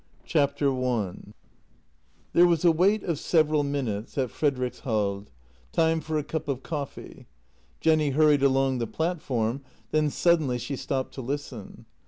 PART TWO I T HERE was a wait of several minutes at Frederiks hald — time for a cup of coffee. Jenny hurried along the platform; then suddenly she stopped to listen.